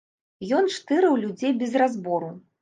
Ён штырыў людзей без разбору.